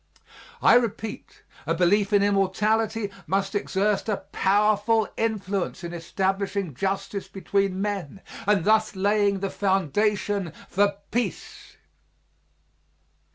I repeat, a belief in immortality must exert a powerful influence in establishing justice between men and thus laying the foundation for peace.